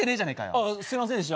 あぁすいませんでした。